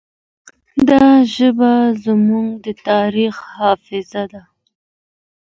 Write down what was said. دا ژبه زموږ د تاریخ حافظه ده.